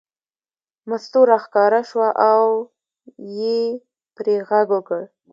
مستو راښکاره شوه او یې پرې غږ وکړ.